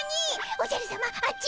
おじゃるさまあっち！